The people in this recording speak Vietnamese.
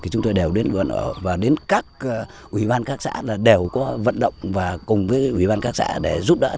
thì chúng tôi đều đến vườn và đến các ủy ban các xã là đều có vận động và cùng với ủy ban các xã